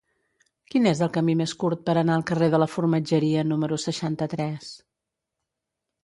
Quin és el camí més curt per anar al carrer de la Formatgeria número seixanta-tres?